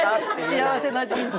幸せな人生。